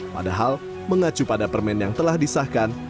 padahal mengacu pada permen yang telah disahkan